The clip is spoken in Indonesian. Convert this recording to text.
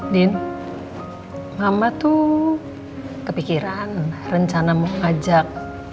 din mama tuh kepikiran rencana mau ngajak